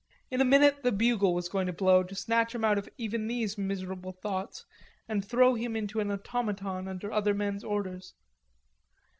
In a minute the bugle was going to blow, to snatch him out of even these miserable thoughts, and throw him into an automaton under other men's orders.